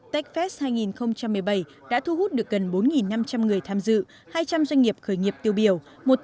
techfest hai nghìn một mươi bảy đã thu hút được gần bốn năm trăm linh người tham dự hai trăm linh doanh nghiệp khởi nghiệp tiêu biểu